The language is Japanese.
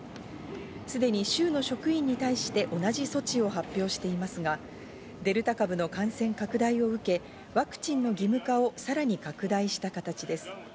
すでに州の職員に対して同じ措置を発表していますが、デルタ株の感染拡大を受け、ワクチンの義務化をさらに拡大した形です。